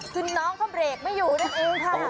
คือน้องเขาเบรกไม่อยู่ได้อีกค่ะ